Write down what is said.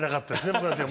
僕たちは。